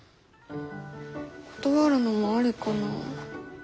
断るのもありかな。